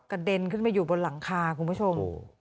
เด็นขึ้นมาอยู่บนหลังคาคุณผู้ชม